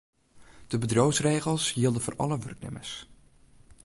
De bedriuwsregels jilde foar alle wurknimmers.